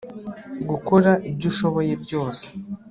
gukora ibyo ushoboye byose